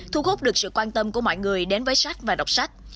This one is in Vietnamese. thu hút được sự quan tâm của mọi người đến với sách và đọc sách